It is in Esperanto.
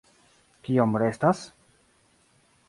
Kiom restas?